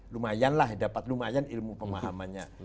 lumayanlah dapat ilmu pemahamannya